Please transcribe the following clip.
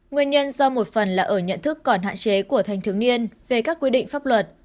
nguyên nhân do một phần là ở nhận thức còn hạn chế của thanh thiếu niên về các quy định pháp luật